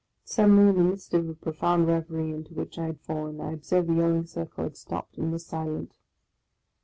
Suddenly, in the midst of a profound reverie into which I had fallen, I observed the yelling circle had stopped, and was silent.